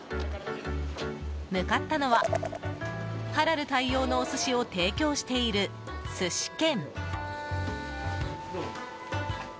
向かったのは、ハラル対応のお寿司を提供している、すし賢。